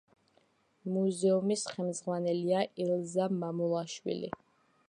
მუზეუმის ხელმძღვანელია ელზა მამულაშვილი.